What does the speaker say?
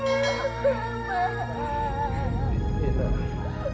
itu kan release